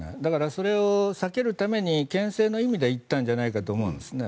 それを避けるためにけん制の意味で言ったんじゃないかと思うんですね。